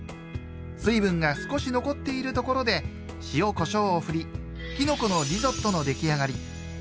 水分が少し残っているところで塩こしょうをふり「きのこのリゾット」の出来上がり。